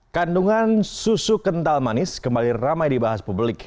kandungan susu kental manis kembali ramai di bahas publik